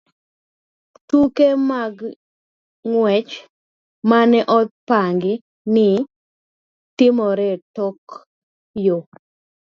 Tuke mag ng'wech ma ne opangi ni timore Tokyo.